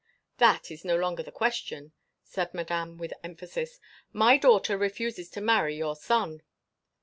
"That is no longer the question," said Madame with emphasis. "My daughter refuses to marry your son."